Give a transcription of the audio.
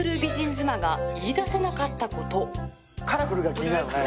カラフルが気になるね。